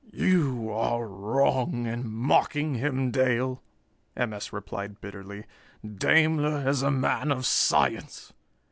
"You are wrong in mocking him, Dale," M. S. replied bitterly. "Daimler is a man of science.